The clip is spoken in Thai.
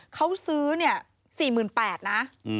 เขาซื้อ๔๘๐๐๐บาทนะ